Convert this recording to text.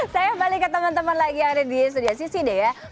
saya balik ke teman teman lagi yang ada di studio sisi deh ya